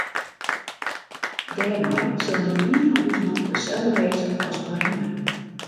Dêrnei sil net ien fan ús noch deselde wêze as foarhinne.